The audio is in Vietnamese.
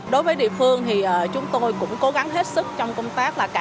đối với địa phương thì chúng tôi cũng cố gắng hết sức trong công tác